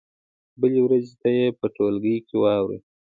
بلې ورځې ته یې په ټولګي کې واورئ.